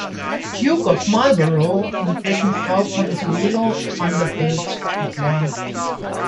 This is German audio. Duke of Marlborough und dessen Frau Consuelo Vanderbilt geboren.